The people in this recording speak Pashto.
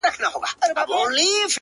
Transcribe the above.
د تورو شپو سپين څراغونه مړه ســول،